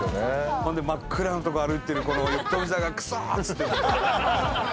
それで真っ暗なとこ歩いて富澤が「クソー！」っつって。